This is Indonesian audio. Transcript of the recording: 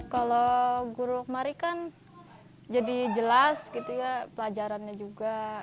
kalau guru kemari kan jadi jelas gitu ya pelajarannya juga